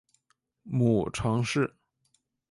母程氏。